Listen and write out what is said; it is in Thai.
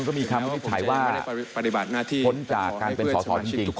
ก็มีคำวินิจฉัยว่าพ้นจากการเป็นสอบสอบจริง